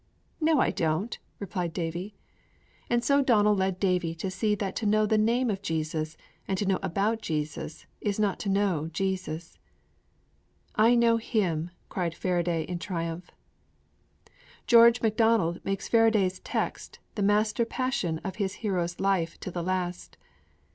'No, I don't!' replied Davie. And so Donal led Davie to see that to know the name of Jesus, and to know about Jesus is not to know Jesus. 'I know Him!' cried Faraday in triumph. George Macdonald makes Faraday's text the master passion of his hero's life to the last.